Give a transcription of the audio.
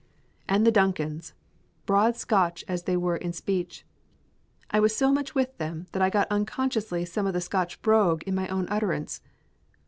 And the Duncans! Broad Scotch as they were in speech! I was so much with them that I got unconsciously some of the Scottish brogue in my own utterance.